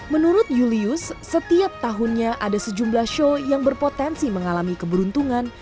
menurut julius setiap tahunnya ada sejumlah show yang berpotensi mengalami keberuntungan